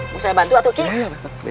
mau saya bantu atau kirim